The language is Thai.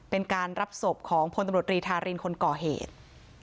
เป็นการรับศพของพลตำรวจรีธารินคนก่อเหตุ